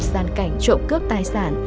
dàn cảnh trộm cướp tài sản